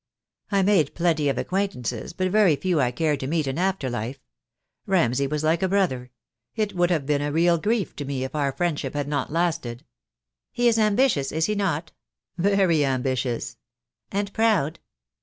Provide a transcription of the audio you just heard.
I made plenty of acquaintances, but very few I cared to meet in after life. Ramsay was like a brother. It would have been a real grief to me if our friendship had not lasted." "He is ambitious, is he not?" "Very ambitious." "And proud?"